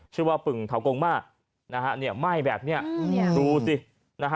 ชื่อว่าปึ่งเากงมานะฮะเนี่ยไหม้แบบนี้ดูสินะฮะ